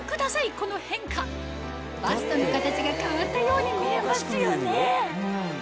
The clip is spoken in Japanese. この変化バストの形が変わったように見えますよね